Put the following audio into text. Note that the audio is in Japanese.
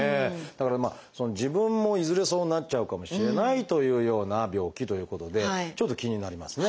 だからまあ自分もいずれそうなっちゃうかもしれないというような病気ということでちょっと気になりますね。